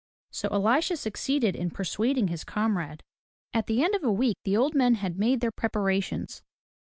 So Elisha succeeded in persuading his comrade. At the end of a week the old men had made their preparations.